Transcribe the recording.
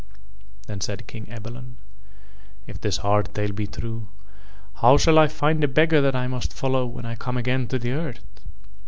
Then said King Ebalon: "If this hard tale be true, how shall I find the beggar that I must follow when I come again to the earth?"